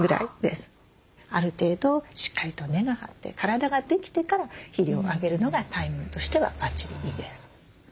ある程度しっかりと根が張って体ができてから肥料をあげるのがタイミングとしてはバッチリいいです。